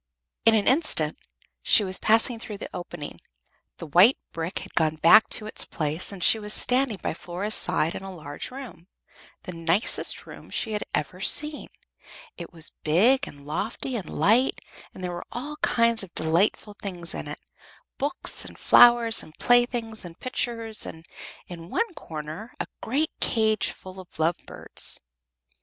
In an instant she had passed through the opening, the white brick had gone back to its place, and she was standing by Flora's side in a large room the nicest room she had ever seen. It was big and lofty and light, and there were all kinds of delightful things in it books and flowers and playthings and pictures, and in one corner a great cage full of lovebirds.